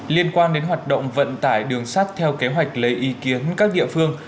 liên quan đến hoạt động vận tải đường sắt theo kế hoạch lấy ý kiến các địa phương